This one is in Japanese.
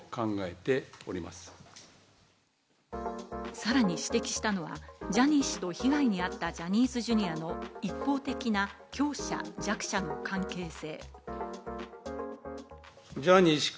さらに指摘したのは、ジャニー氏と被害にあったジャニーズＪｒ．の一方的な強者弱者の関係性。